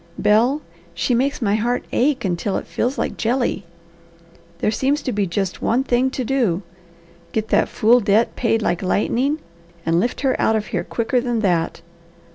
Bel, she makes my heart ache until it feels like jelly. There seems to be just one thing to do. Get that fool debt paid like lightning, and lift her out of here quicker than that.